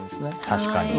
確かに。